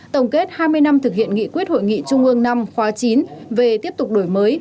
tổng kết hai mươi năm thực hiện nghị quyết hội nghị trung ương năm khóa chín về tiếp tục đổi mới